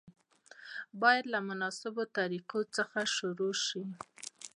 باید له مناسبو طریقو څخه شروع شي.